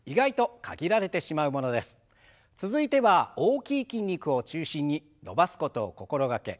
続いては大きい筋肉を中心に伸ばすことを心掛け